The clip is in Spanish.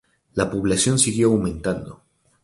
La población siguió aumentando.